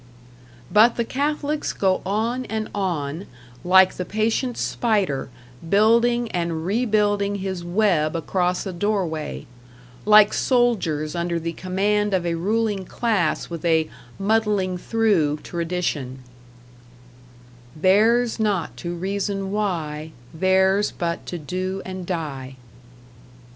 But the Catholics go on and on; like the patient spider, building and rebuilding his web across a door way; like soldiers under the command of a ruling class with a "muddling through" tradition Theirs not to reason why, Theirs but to do and die.